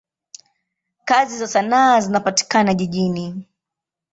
Kazi za sanaa zinapatikana jijini.